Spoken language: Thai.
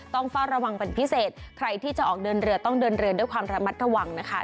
ต้องเฝ้าระวังเป็นพิเศษใครที่จะออกเดินเรือต้องเดินเรือด้วยความระมัดระวังนะคะ